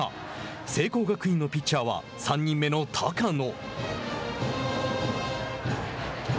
聖光学院のピッチャーは３人目の高野。